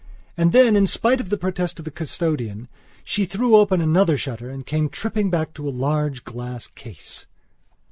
And then, in spite of the protest of the custodian, she threw open another shutter and came tripping back to a large glass case.